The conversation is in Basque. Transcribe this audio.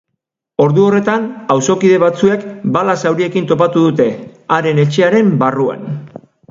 Ordu horretan, auzokide batzuek bala zauriekin topatu dute, haren etxearen barruan.